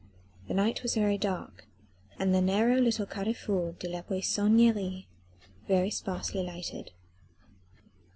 The night was very dark and the narrow little Carrefour de la Poissonnerie very sparsely lighted.